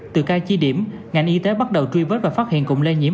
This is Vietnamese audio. từ ca chi điểm ngành y tế bắt đầu truy vết và phát hiện cụm lây nhiễm